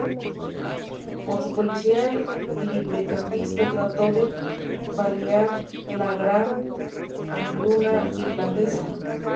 Con su política librecambista trató de paliar la gran hambruna irlandesa.